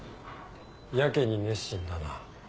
やけに熱心だな。